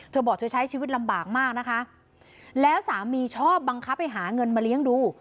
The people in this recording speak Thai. เธอบอกเธอใช้ชีวิตลำบากมากนะคะแล้วสามีชอบบังคับให้หาเงินมาเลี้ยงดู